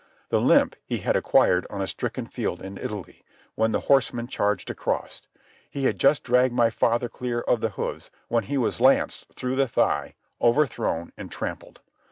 The limp he had acquired on a stricken field in Italy, when the horsemen charged across. He had just dragged my father clear of the hoofs when he was lanced through the thigh, overthrown, and trampled.